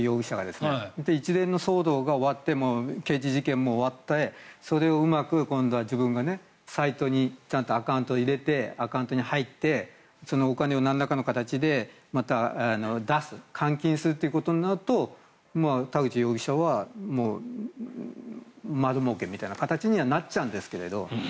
で、一連の騒動が終わって刑事事件も終わってそれをうまく今度は自分がサイトにちゃんとアカウントを入れてアカウントに入ってそのお金をなんらかの形でまた出す換金するということになると田口容疑者はもう丸もうけみたいな形にはなっちゃうんですけど。